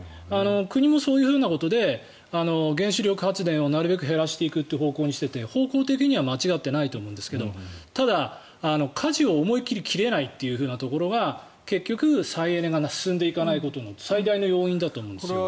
国もそういうことで原子力発電をなるべく減らしていくという方向にしていて方向的には間違っていないと思うんですけどただ、かじを思い切り切れないというところが結局、再エネが進んでいかないことの最大の要因だと思うんです。